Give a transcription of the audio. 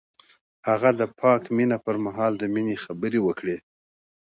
هغه د پاک مینه پر مهال د مینې خبرې وکړې.